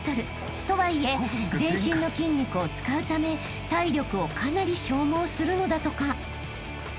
［とはいえ全身の筋肉を使うため体力をかなり消耗するのだとか］